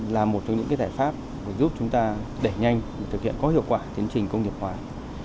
là một trong những giải pháp giúp chúng ta đẩy nhanh thực hiện có hiệu quả tiến trình công nghiệp hóa